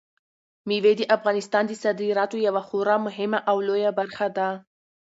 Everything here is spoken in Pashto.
مېوې د افغانستان د صادراتو یوه خورا مهمه او لویه برخه ده.